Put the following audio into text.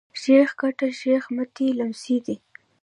شېخ کټه شېخ متي لمسی دﺉ.